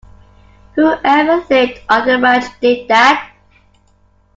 Whoever lived on the ranch did that.